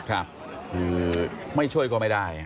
คือไม่ช่วยก็ไม่ได้